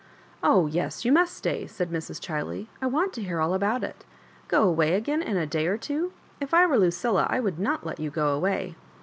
" Oh, yes, you must stey," said Mrs. Chiley ;•* I want to bear all about it Go away again in a day or two? If I were Lucilla, I would not let you go away.